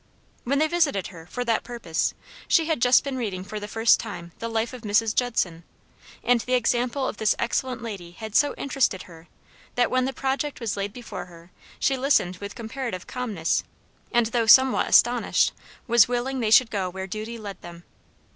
When they visited her, for that purpose, she had just been reading for the first time the life of Mrs. Judson; and the example of this excellent lady had so interested her that when the project was laid before her she listened with comparative calmness, and, though somewhat astonished, was willing they should go where duty led them.